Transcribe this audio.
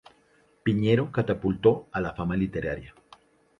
Piñero catapultó a la fama literaria.